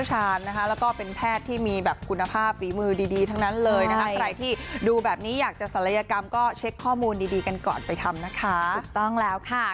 ถ้าในอนาคตถ้าประเทศเปิดแล้วอาจจะไปเกาหลี